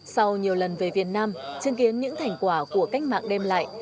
sau nhiều lần về việt nam chứng kiến những thành quả của cách mạng đem lại